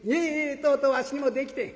とうとうわしにもできてん」。